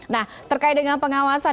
nah terkait dengan pengawasan